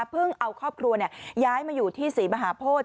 เอาครอบครัวย้ายมาอยู่ที่ศรีมหาโพธิ